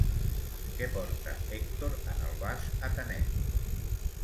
Què porta Hèctor en el vas atenenc?